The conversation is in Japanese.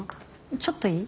ちょっといい？